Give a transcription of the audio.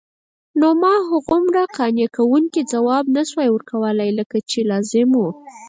نو ما هغومره قانع کوونکی ځواب نسوای ورکولای لکه چې لازم وو.